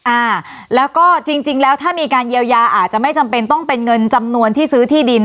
อ่าแล้วก็จริงจริงแล้วถ้ามีการเยียวยาอาจจะไม่จำเป็นต้องเป็นเงินจำนวนที่ซื้อที่ดิน